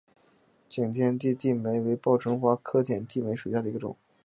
景天点地梅为报春花科点地梅属下的一个种。